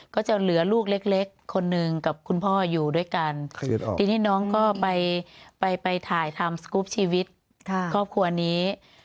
ก็จะเหลือลูกเล็กคนหนึ่งกับคุณพ่ออยู่ด้วยกันทีนี้น้องก็ไปไปถ่ายทำสกรูปชีวิตครอบครัวนี้